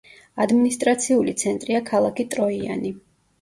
ადმინისტრაციული ცენტრია ქალაქი ტროიანი.